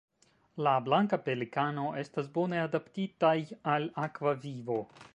La Blanka pelikano estas bone adaptitaj al akva vivo.